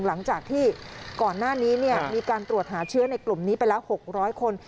หลังจากที่ก่อนหน้านี้มีการตรวจหาเชื้อในกลุ่มนี้ไปแล้ว๖๐๐คน